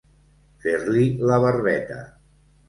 Fer-li la barbeta.